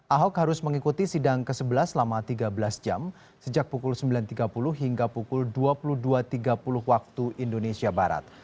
ahok harus mengikuti sidang ke sebelas selama tiga belas jam sejak pukul sembilan tiga puluh hingga pukul dua puluh dua tiga puluh waktu indonesia barat